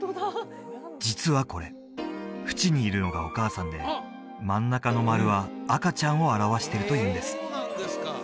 実はこれ縁にいるのがお母さんで真ん中の丸は赤ちゃんを表してるというんです